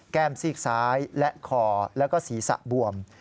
แก้มซีกซ้ายและคอและก็ศีรษะบวม